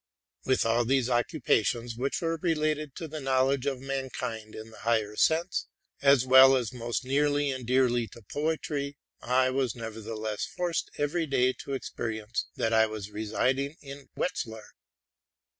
Amidst all these occupations, which were related to the knowledge of mankind in the higher sense, as well as most nearly and dearly to poetry, I was nevertheless forced every day to experience that I was residing in Wetzlar.